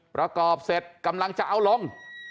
ประกอบเสร็จกำลังจะเอาลง